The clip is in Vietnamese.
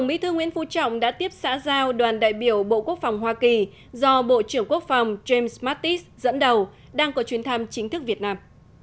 bộ trưởng quốc phòng james mattis dẫn đầu đang có chuyến thăm chính thức việt nam